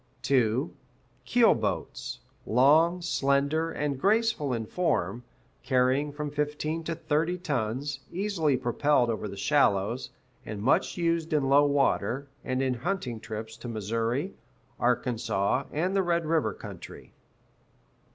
(2) Keel boats long, slender, and graceful in form, carrying from fifteen to thirty tons, easily propelled over the shallows, and much used in low water, and in hunting trips to Missouri, Arkansas, and the Red River country.